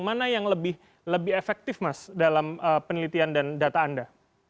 mana yang lebih efektif mas dalam penelitian dan data anda